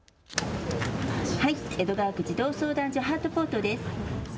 はい、江戸川区児童相談所ハートポートです。